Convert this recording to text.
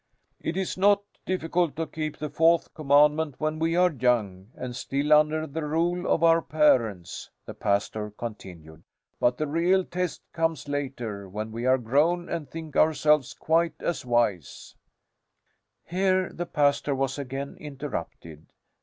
"It is not difficult to keep the Fourth Commandment when we are young and still under the rule of our parents," the pastor continued; "but the real test comes later, when we are grown and think ourselves quite as wise " Here the pastor was again interrupted.